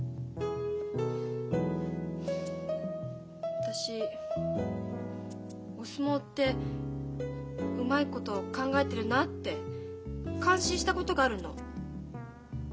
私お相撲ってうまいこと考えてるなって感心したことがあるの。